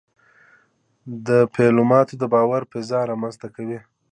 ډيپلومات د باور فضا رامنځته کوي.